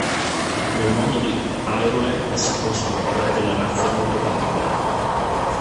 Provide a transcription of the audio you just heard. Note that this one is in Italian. Nel mondo di Hyrule si possono trovare delle razze molto particolari.